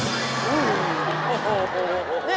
โอ้โห